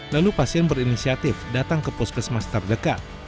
lalu pasien berinisiatif datang ke puskesmas terdekat